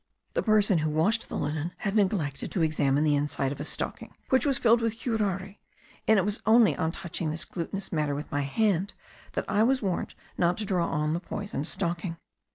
The person who washed the linen had neglected to examine the inside of a stocking, which was filled with curare; and it was only on touching this glutinous matter with my hand, that I was warned not to draw on the poisoned stocking.